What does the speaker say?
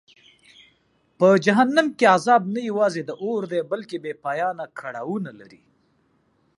په جهنم کې عذاب نه یوازې د اور دی بلکه بېپایانه کړاوونه لري.